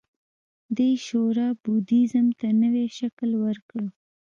دې شورا بودیزم ته نوی شکل ورکړ